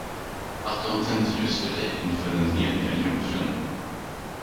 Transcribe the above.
Att de tänt ljus för dig inför den heliga jungfrun.